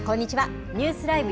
ニュースＬＩＶＥ！